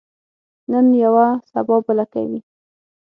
نن یوه، سبا بله کوي.